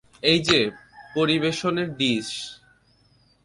এই যে পরিবেশনের ডিস।